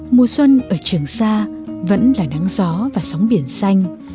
mùa xuân ở trường sa vẫn là nắng gió và sóng biển xanh